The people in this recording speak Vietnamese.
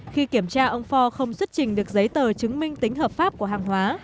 khi kiểm tra ông phò không xuất trình được giấy tờ chứng minh tính hợp pháp của hàng hóa